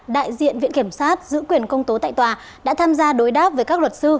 đại diện viện kiểm sát giữ quyền công tố tại tòa đã tham gia đối đáp với các luật sư